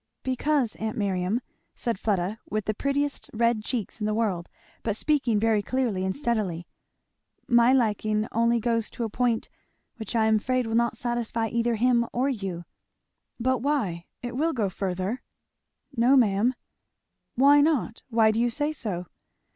"Because, aunt Miriam," said Fleda, with the prettiest red cheeks in the world but speaking very clearly and steadily, "my liking only goes to a point which I am afraid will not satisfy either him or you." "But why? it will go further." "No ma'am." "Why not? why do you say so?"